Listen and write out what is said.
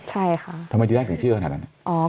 ใช่ค่ะทำไมทีแรกถึงเชื่อขนาดนั้น